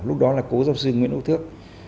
lúc đó là cố giáo sư nguyễn ú thước